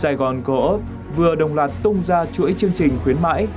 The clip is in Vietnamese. sài gòn coop vừa đồng loạt tung ra chuỗi chương trình khuyến mãi